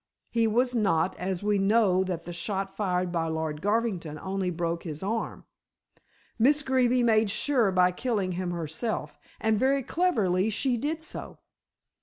He was not, as we know that the shot fired by Lord Garvington only broke his arm. Miss Greeby made sure by killing him herself, and very cleverly she did so."